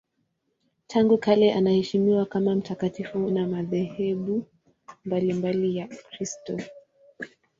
Tangu kale anaheshimiwa kama mtakatifu na madhehebu mbalimbali ya Ukristo.